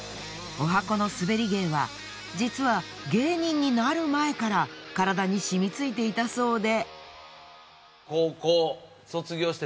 十八番のスベリ芸は実は芸人になる前から体に染みついていたそうで。